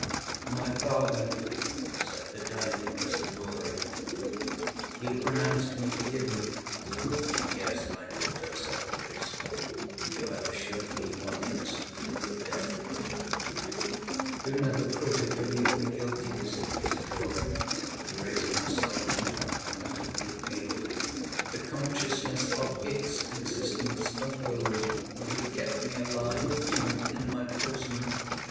'My father,' said the dying Isidora, 'you pronounced me forgiven.'—'Yes, my daughter,' said the priest, 'you have assured me you are innocent of the death of your infant.'—'You never could have believed me guilty,' said Isidora, raising herself on her pallet at the appeal—'the consciousness of its existence alone would have kept me alive, even in my prison.